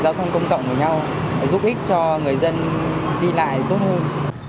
giao thông công cộng của nhau giúp ích cho người dân đi lại tốt hơn